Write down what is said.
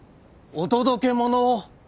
お届け物を。